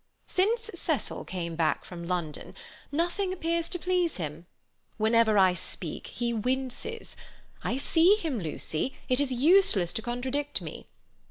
"Since Cecil came back from London, nothing appears to please him. Whenever I speak he winces;—I see him, Lucy; it is useless to contradict me.